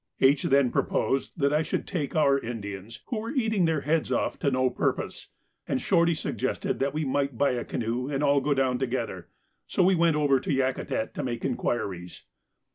H. then proposed that I should take our Indians, who were eating their heads off to no purpose, and Shorty suggested that we might buy a canoe and all go down together, so we went over to Yakutat to make inquiries.